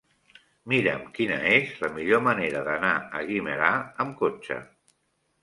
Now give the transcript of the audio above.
Mira'm quina és la millor manera d'anar a Guimerà amb cotxe.